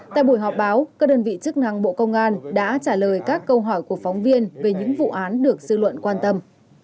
tại buổi họp báo các đơn vị chức năng bộ công an đã trả lời các câu hỏi của phóng viên về những vụ án được sư luận quan tâm